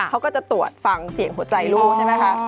เขาก็จะตรวจฟังเสียงหัวใจลูกใช่ไหมคะ